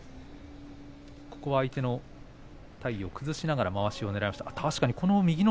相手の体を崩しながらまわしをねらいます。